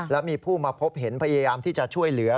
แล้วมีผู้มาพบเห็นพยายามที่จะช่วยเหลือ